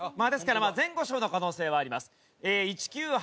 ですから前後賞の可能性はあります。